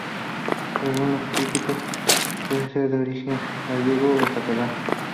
Según los críticos puede ser de origen gallego o catalán.